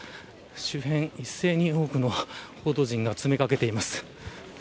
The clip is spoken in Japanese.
周辺、一斉に多くの報道陣が詰めかけています。